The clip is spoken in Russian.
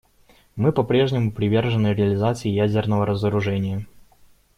Мы по-прежнему привержены реализации ядерного разоружения.